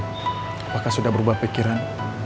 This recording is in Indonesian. apakah sudah berubah pikiran